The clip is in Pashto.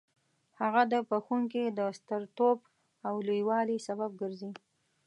هغه د بخښونکي د سترتوب او لوی والي سبب ګرځي.